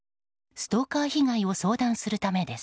ストーカー被害を相談するためです。